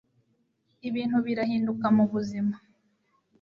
ibintu birahinduka mu buzima